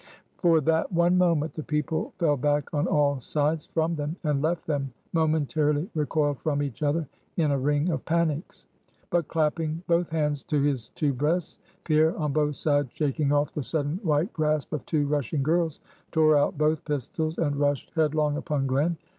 For that one moment, the people fell back on all sides from them; and left them momentarily recoiled from each other in a ring of panics. But clapping both hands to his two breasts, Pierre, on both sides shaking off the sudden white grasp of two rushing girls, tore out both pistols, and rushed headlong upon Glen.